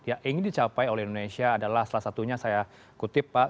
yang ingin dicapai oleh indonesia adalah salah satunya saya kutip pak